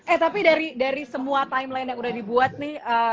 eh tapi dari semua timeline yang udah dibuat nih